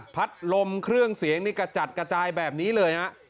พัดลมเครื่องเสียงนี่กระจัดกระจายแบบนี้เลยฮะ